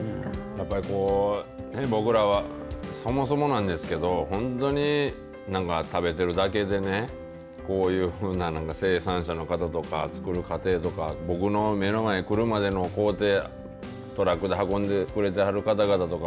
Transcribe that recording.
やっぱり僕らはそもそもなんですけど本当に何か食べてるだけでねこういうふうな生産者の方とか作る過程とか僕の目の前、くるまでの工程。